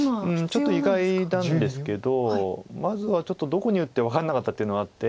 ちょっと意外なんですけどまずはちょっとどこに打って分かんなかったっていうのはあって。